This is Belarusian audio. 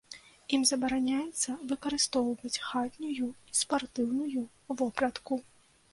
Ім забараняецца выкарыстоўваць хатнюю і спартыўную вопратку.